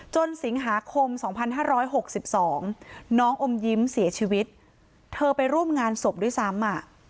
สิงหาคม๒๕๖๒น้องอมยิ้มเสียชีวิตเธอไปร่วมงานศพด้วยซ้ำ